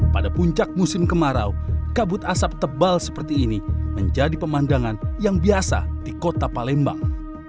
pada puncak musim kemarau kabut asap tebal seperti ini menjadi pemandangan yang biasa di kota palembang